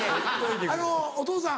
あのお父さん。